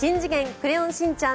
クレヨンしんちゃん